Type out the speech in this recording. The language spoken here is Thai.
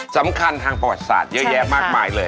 สำคัญทางประวัติศาสตร์เยอะแยะมากมายเลย